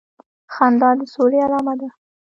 خندا د سولي علامه ده